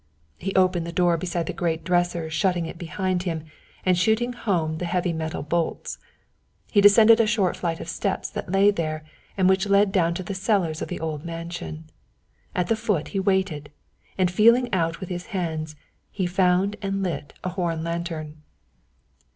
He opened a door beside the great dresser shutting it behind him and shooting home the heavy metal bolts. He descended a short flight of steps that lay there, and which led down to the cellars of the old mansion. At the foot he waited, and feeling out with his hands he found and lit a horn lantern.